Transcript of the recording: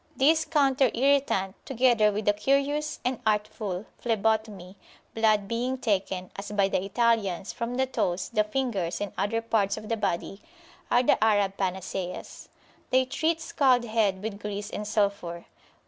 This counter irritant, together with a curious and artful phlebotomy, [p.109] blood being taken, as by the Italians, from the toes, the fingers, and other parts of the body, are the Arab panaceas. They treat scald head with grease and sulphur.